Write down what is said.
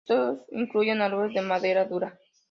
Estos incluyen árboles de madera dura.